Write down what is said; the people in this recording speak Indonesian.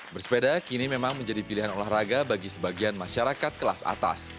bersepeda kini memang menjadi pilihan olahraga bagi sebagian masyarakat kelas atas